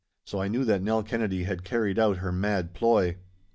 So I knew that Nell Kennedy had carried out her mad ploy.